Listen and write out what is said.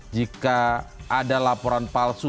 jika ada laporan palsu